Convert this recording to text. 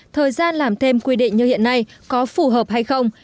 thời gian làm thêm quy định như hiện nay có phù hợp hay không